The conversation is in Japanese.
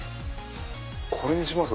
これにします。